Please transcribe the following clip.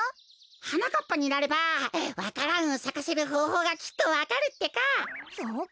はなかっぱになればわか蘭をさかせるほうほうがきっとわかるってか。